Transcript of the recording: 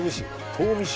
東御市。